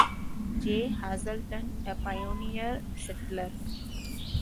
J. Hazelton, a pioneer settler.